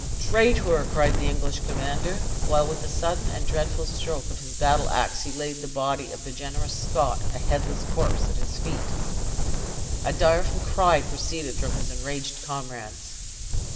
"Traitor!" cried the English commander, while with a sudden and dreadful stroke of his battle ax he laid the body of the generous Scot a headless corpse at his feet. A direful cry proceeded from his enraged comrades.